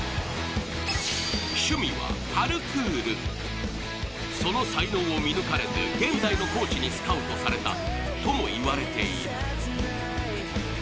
趣味はパルクール、その才能を見抜かれて現在のコーチにスカウトされたとも言われている。